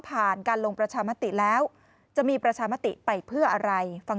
การลงประชามติแล้วจะมีประชามติไปเพื่ออะไรฟัง